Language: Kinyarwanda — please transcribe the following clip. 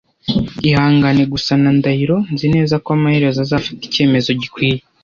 Ihangane gusa na Ndahiro . Nzi neza ko amaherezo azafata icyemezo gikwiye.